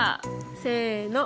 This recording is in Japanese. せの！